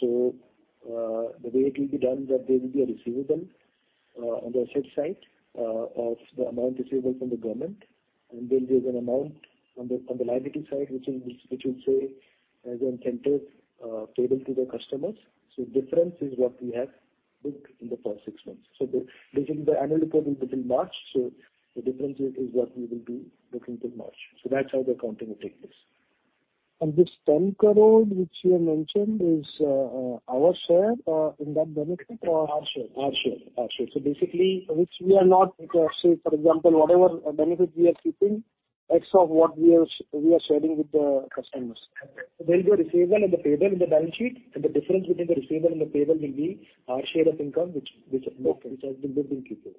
The way it will be done that there will be a receivable on the asset side of the amount receivable from the government. Then there's an amount on the liability side, which will say, as incentive, payable to the customers. Difference is what we have booked in the first six months. Within the annual report will be till March, so the difference is what we will be looking till March. That's how the accounting will take place. This 10 crore which you have mentioned is our share in that benefit or? Our share. Basically. Which we are not. Say, for example, whatever benefit we are keeping, X of what we are sharing with the customers. There will be a receivable and a payable in the balance sheet, and the difference between the receivable and the payable will be our share of income which has been booked in Q2.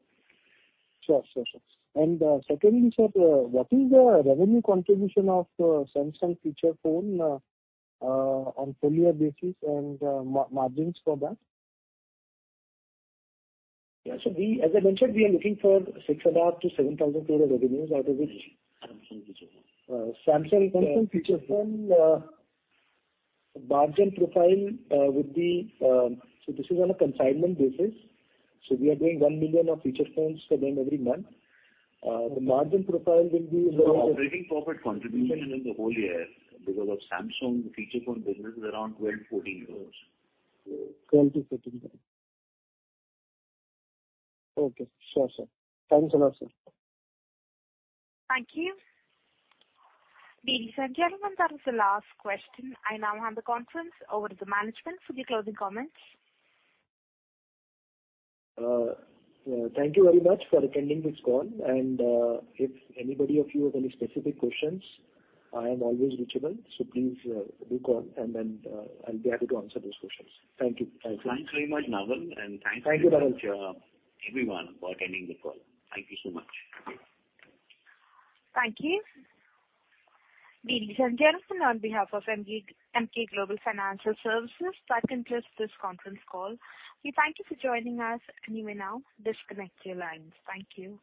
Sure, secondly, sir, what is the revenue contribution of Samsung feature phone on full year basis and margins for that? As I mentioned, we are looking for 6,500 crore-7,000 crore of revenues, out of which Samsung feature phone. Samsung Samsung feature phone. Samsung feature phone margin profile would be. This is on a consignment basis. We are doing 1 million feature phones for them every month. The margin profile will be. Operating profit contribution in the whole year because of Samsung feature phone business is around 12 crores-14 crores. 12-14 crore. Okay. Sure, sir. Thanks a lot, sir. Thank you. Ladies and gentlemen, that was the last question. I now hand the conference over to the management for the closing comments. Thank you very much for attending this call. If anybody of you have any specific questions, I am always reachable, so please, do call and then, I'll be happy to answer those questions. Thank you. Bye-bye. Thanks very much, Naval. Thank you- Thank you, Dhananjay. Thank you, everyone, for attending the call. Thank you so much. Thank you. Ladies and gentlemen, on behalf of Emkay Global Financial Services, that concludes this conference call. We thank you for joining us. You may now disconnect your lines. Thank you.